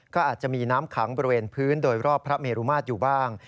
ก็อาจจะมีน้ำขังบริเวณพื้นโดยรอบพระเมรุมาตรอยู่บ้าง